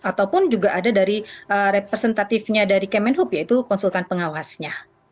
ataupun juga ada dari representatifnya dari kemenhub yaitu konsultan pengawasnya